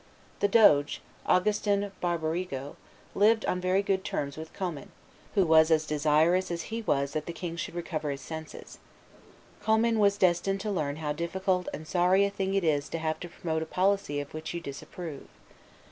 The doge, Augustin Barbarigo, lived on very good terms with Commynes, who was as desirous as he was that the king should recover his senses. Commynes was destined to learn how difficult and sorry a thing it is to have to promote a policy of which you disapprove.